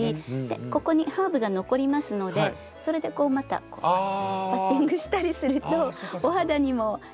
ここにハーブが残りますのでそれでこうまたパッティングしたりするとお肌にもいいかなみたいな感じ。